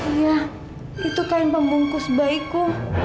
iya itu kain pembungkus baikku